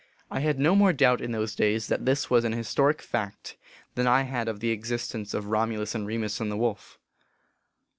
I had no more doubt in those days that this was an historic fact than I had of the existence of Romulus and Remus and the wolf.